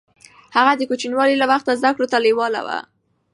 هغه د کوچنيوالي له وخته زده کړو ته لېواله و.